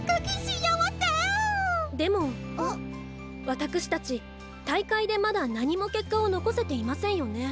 わたくしたち大会でまだ何も結果を残せていませんよね。